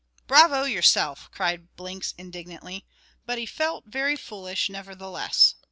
"Bravo yourself," cried Blinks, indignantly; but he felt very foolish nevertheless.